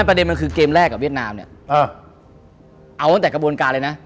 ประเด็นมันคือเกมแรก